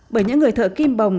bởi những người thợ kim bồng